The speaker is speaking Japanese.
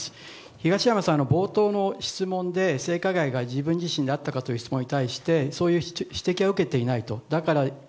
東山さん、冒頭の質問で性加害が自分自身にあったかという質問に対してそういう指摘は受けていないと。